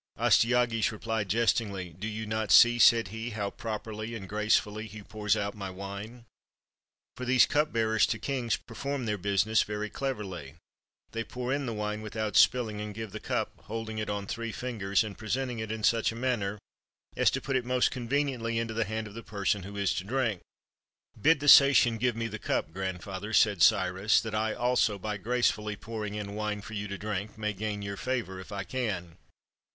Astyages replied jestingly. "Do you not see," said he, how properly and gracefully he pours out my wine?" For these cup bearers to kings perform their business very cleverly; they pour in the wine without spilling, and give the cup, holding it on three fingers, and presenting it in such a manner as to put it most conveniently into the hand of the person who is to drink. " Bid the Sacian give me the cup, grandfather," said Cyrus, "that I also, by gracefully pouring in wine for you to drink, may gain your favor if I can."